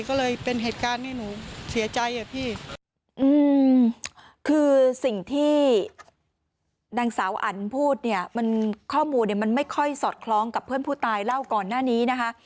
ก็เลยเป็นเหตุการณ์ที่หนูเสียใจอะพี่อืมคือสิ่งที่นางสาวอันพูดเนี่ยมันข้อมูลเนี่ยมันไม่ค่อยสอดคล้องกับเพื่อนผู้ตายเล่าก่อนหน้านี้นะคะ